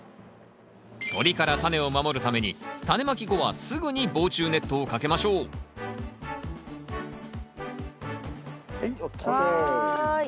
鳥からタネを守るためにタネまき後はすぐに防虫ネットをかけましょうはいＯＫ。